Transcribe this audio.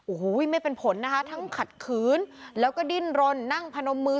โอ้โหไม่เป็นผลนะคะทั้งขัดขืนแล้วก็ดิ้นรนนั่งพนมมือ